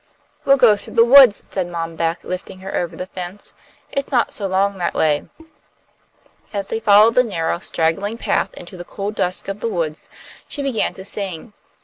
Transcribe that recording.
"We'll go through the woods," said Mom Beck, lifting her over the fence. "It's not so long that way." As they followed the narrow, straggling path into the cool dusk of the woods, she began to sing.